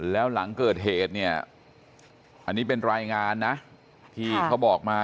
แล้วหลังเกิดเหตุเนี่ยอันนี้เป็นรายงานนะที่เขาบอกมา